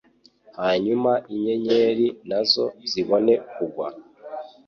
Hanyuma inyenyeri na zo zibone kugwa.